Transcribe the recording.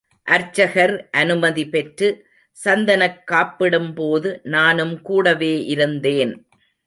அர்ச்சகர் அனுமதி பெற்று, சந்தனக் காப்பிடும்போது நானும் கூடவே இருந்தேன்.